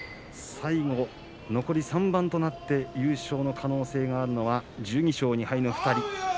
最後残り３番となって優勝の可能性があるのは１２勝２敗の２人。